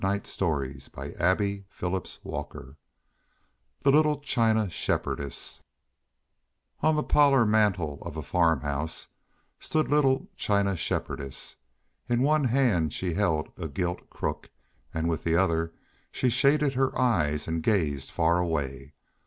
THE LITTLE CHINA SHEPHERDESS [Illustration: The China Shepherdess] On the parlor mantel of a farmhouse stood little China Shepherdess. In one hand she held a gilt crook and with the other she shaded her eyes and gazed far away.